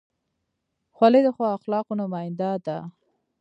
خولۍ د ښو اخلاقو نماینده ده.